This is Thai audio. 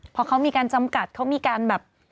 พอเขามีการจำกัดเขามีการแบบ